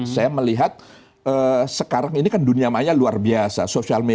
saya melihat sekarang ini kan dunia maya luar biasa